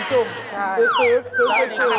ตื่นสุด